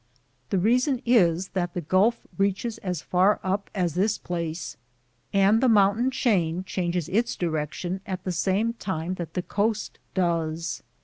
The reason is that the gulf reaches as far up as this place, and the mountain chain changes its direction at the same time that the coast does.